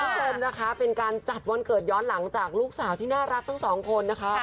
คุณผู้ชมนะคะเป็นการจัดวันเกิดย้อนหลังจากลูกสาวที่น่ารักทั้งสองคนนะคะ